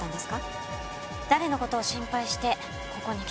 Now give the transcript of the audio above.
誰の事を心配してここに来たんですか？